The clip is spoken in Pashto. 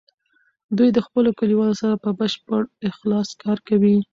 دوی د خپلو کلیوالو سره په بشپړ اخلاص کار کوي.